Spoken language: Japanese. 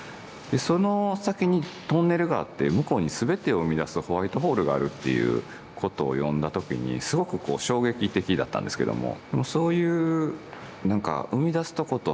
その先にトンネルがあって向こうに全てを生み出すホワイトホールがあるっていうことを読んだ時にすごくこう衝撃的だったんですけども。